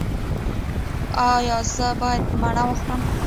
ایا زه باید مڼه وخورم؟